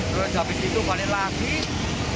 terus habis itu balik lagi